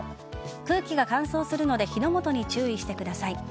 空気が乾燥するので火の元に注意してください。